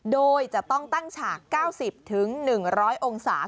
โดยจะต้องตั้งฉาก๙๐๑๐๐องศา